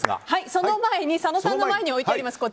その前に佐野さんの前に置いてあります